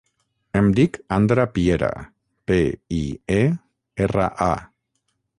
Em dic Andra Piera: pe, i, e, erra, a.